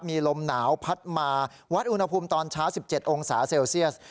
มีลมหนาวพัดมาวัดอุณหภูมิตอนเช้า๑๗องศาเซลเซียส